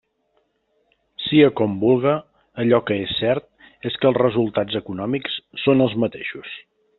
Siga com vulga, allò que és cert és que els resultats econòmics són els mateixos.